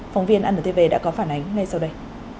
phóng viên antv đã có phản ánh ngay sau đây